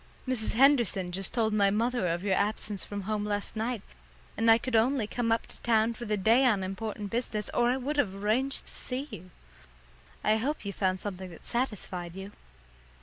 Mrs. Henderson just told my mother of your absence from home last night, and I could only come up to town for the day on important business or I would have arranged to see you. I hope you found something that satisfied you."